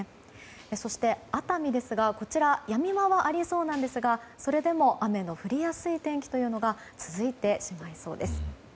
そして、熱海はやみ間はありそうですがそれでも雨の降りやすい天気が続いてしまいそうです。